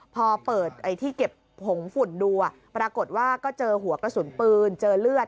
พอเปิดที่เก็บผงฝุ่นดูปรากฏว่าก็เจอหัวกระสุนปืนเจอเลือด